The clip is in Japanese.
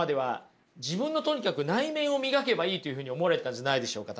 自分のとにかく内面を磨けばいいというふうに思われてたんじゃないでしょうか？